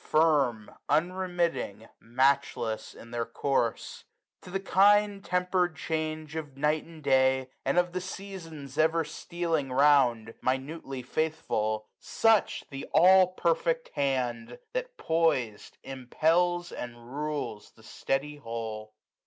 Firm, unremitting, matchless, in their course ; To the kind tempered change of night and day. And of the seasons ever stealing round, 40 Minutely faithful : such Th* all perfect Hand! That pois*d^ impels, and rules the steady whole.